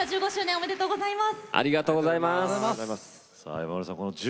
ありがとうございます。